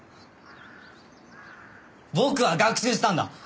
僕は学習したんだ。